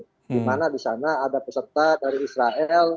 dimana di sana ada peserta dari israel